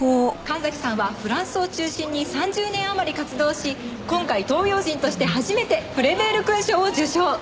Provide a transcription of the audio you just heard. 神崎さんはフランスを中心に３０年余り活動し今回東洋人として初めてフレベール勲章を受章。